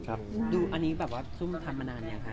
ครับดูอันนี้แบบว่าซุ่มทำมานานแล้วค่ะ